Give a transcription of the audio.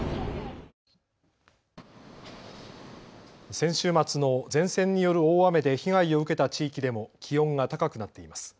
先週末の前線による大雨で被害を受けた地域でも気温が高くなっています。